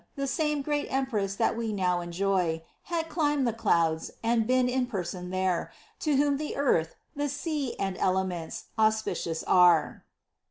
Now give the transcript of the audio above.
The same great empress that we now enjoy. Had climbed the clouds, and been in person there, To whom the earth, the sea, and elements Auspicious are."